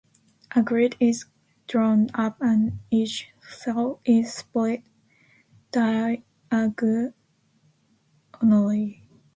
A grid is drawn up, and each cell is split diagonally.